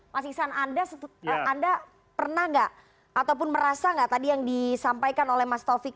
mas iksan anda pernah nggak ataupun merasa nggak tadi yang disampaikan oleh mas taufik